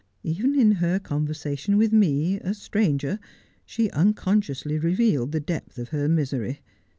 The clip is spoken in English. Even in her conversation with me, a stranger, she unconsciously revealed the depth of her misery.